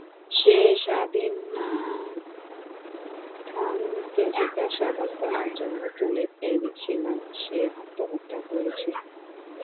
যে স্বামীনাথানকে জিজ্ঞাসাবাদ করার জন্য তুলে এনেছিলাম সে আত্মহত্যা করেছে!